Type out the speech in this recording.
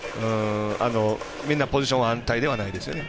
みんなポジション安泰ではないですよね。